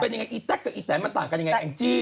เป็นยังไงอีแต๊กกับอีแตนมันต่างกันยังไงแองจี้